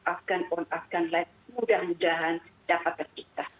afgan ur afgan leb mudah mudahan dapat tercipta